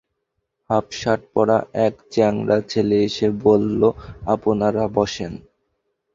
হাফশার্ট-পরা এক চ্যাংড়া ছেলে এসে বলল, আপনারা বসেন।